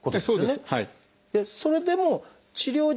そうですね。